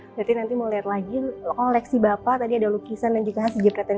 berarti nanti mau lihat lagi koleksi bapak tadi ada lukisan dan jika masih diperhatikan